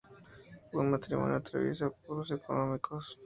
Un matrimonio atraviesa apuros económicos.